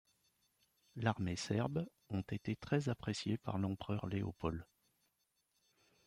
L’armée serbe ont été très appréciés par l'Empereur Léopold.